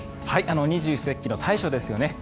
二十四節気の大暑ですよね。